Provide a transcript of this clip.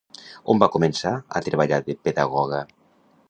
On va començar a treballar de pedagoga?